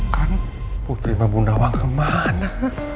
kan putri sama bu nawang kemana